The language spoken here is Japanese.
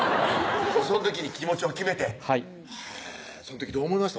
その時に気持ちを決めてはいその時どう思いました？